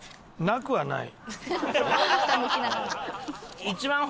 「なくはない」。